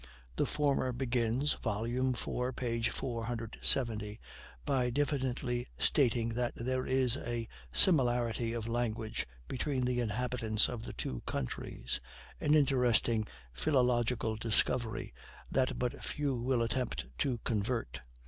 The former begins (vol. iv, p. 470) by diffidently stating that there is a "similarity" of language between the inhabitants of the two countries an interesting philological discovery that but few will attempt to controvert.